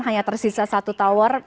hanya tersisa satu tower